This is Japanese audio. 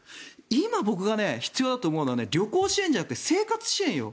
今僕が必要だと思うのは旅行支援じゃなくて生活支援よ。